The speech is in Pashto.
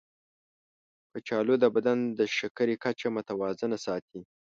کچالو د بدن د شکرې کچه متوازنه ساتي.